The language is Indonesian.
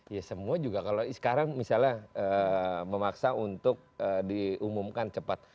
ya semua juga kalau sekarang misalnya memaksa untuk diumumkan cepat